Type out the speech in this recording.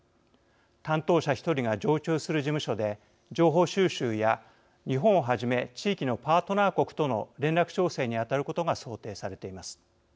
担当者１人が常駐する事務所で情報収集や日本をはじめ地域のパートナー国との連絡調整に当たることが想定されています。